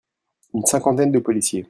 Une cinquantaine de policiers.